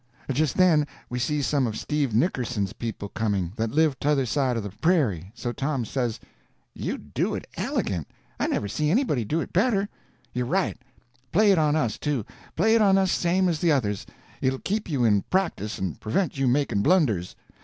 Just then we see some of Steve Nickerson's people coming that lived t'other side of the prairie, so Tom says: "You do it elegant; I never see anybody do it better. You're right; play it on us, too; play it on us same as the others; it'll keep you in practice and prevent you making blunders.